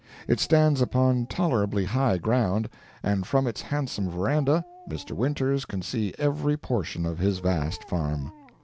It stands upon tolerably high ground, and from its handsome verandah, Mr. Winters can see every portion of his vast farm.